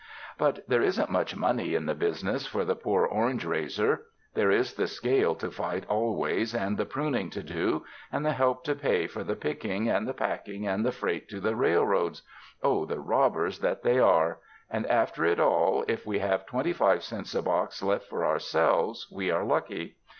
''But there isn't much money in the business for the poor orange raiser. There is the scale to fight always, and the pruning to do, and the help to pay for the picking, and the packing, and the freight to the railroads — oh, the robbers that they are — and after it all, if we have twenty five cents a box left for ourselves we are lucky.